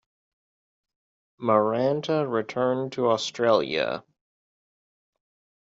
Maranta returned to Australia.